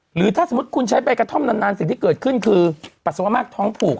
หรือถ้าสมมุติคุณใช้ใบกระท่อมนานสิ่งที่เกิดขึ้นคือปัสสาวะมากท้องผูก